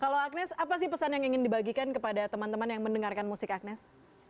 kalau agnes apa sih pesan yang ingin dibagikan kepada teman teman yang mendengarkan musik agnes